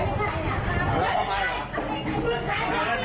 นี่ฉันไม่ใช่เจ้าค่ะ